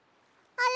あれ？